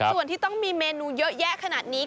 ส่วนที่ต้องมีเมนูเยอะแยะขนาดนี้